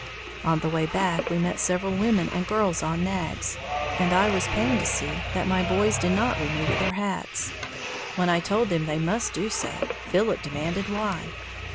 On the way back, we met several women and girls on nags, and I was pained to see that my boys did not remove their hats. When I told them they must do so, Philip demanded why.